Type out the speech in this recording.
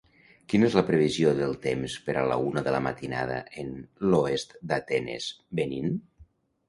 Quina és la previsió del temps per a la una de la matinada en l'oest d'Atenes, Benín?